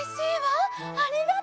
ありがとう。